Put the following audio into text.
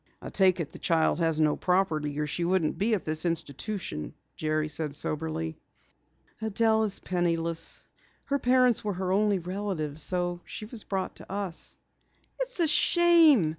"I take it the child has no property or she wouldn't be at this institution," Jerry said soberly. "Adelle is penniless. Her parents were her only relatives, so she was brought to us." "It's a shame!"